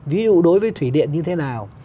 ví dụ đối với thủy điện như thế nào